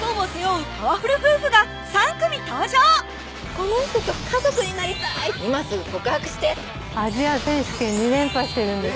この人と家族になりたい「今すぐ告白して！」アジア選手権２連覇してるんです